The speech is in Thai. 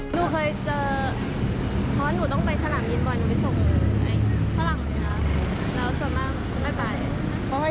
หนูเคยเจอเพราะว่าหนูต้องไปฉลามยินบ่อย